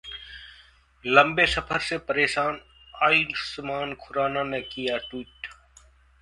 लंबे सफर से परेशान आयुष्मान खुराना ने किया ट्विट